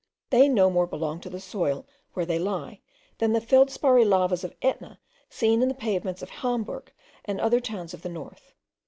They no more belong to the soil where they lie, than the feldsparry lavas of Etna, seen in the pavements of Hamburg and other towns of the north.